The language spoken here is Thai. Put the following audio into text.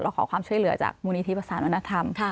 ขอความช่วยเหลือจากมูลนิธิประสานวัฒนธรรม